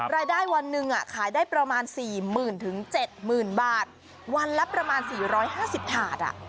รายได้วันหนึ่งขายได้ประมาณ๔๐๐๐๗๐๐บาทวันละประมาณ๔๕๐ถาด